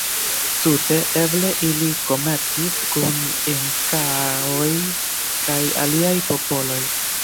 Tute eble ili komercis kun Inkaoj kaj aliaj popoloj.